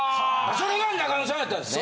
それが中野さんやったんですね。